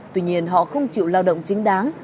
tuy nhiên họ không chịu lao động chính đáng